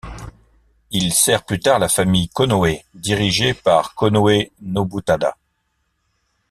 Il sert plus tard la famille Konoe dirigée par Konoe Nobutada.